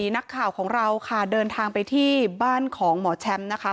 นักข่าวของเราค่ะเดินทางไปที่บ้านของหมอแชมป์นะคะ